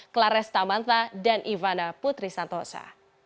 clares tamanta dan ivana putri santosa